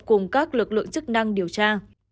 cùng các lực lượng chức năng điều tra